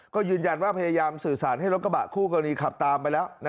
ก็ยืนยันว่าพยายามสื่อสารให้รถกระบะคู่กรณีขับตามไปแล้ว